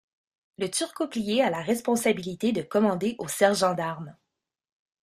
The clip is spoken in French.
Le turcoplier a la responsabilité de commander aux sergents d'armes.